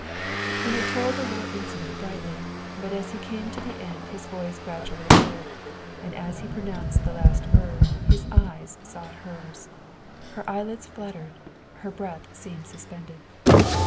'" He had told the little incident brightly; but as he came to the end, his voice gradually lowered, and as he pronounced the last word, his eyes sought hers. Her eyelids fluttered; her breath seemed suspended.